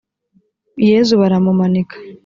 yezu baramumanika